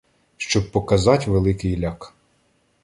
Щоб показать великий ляк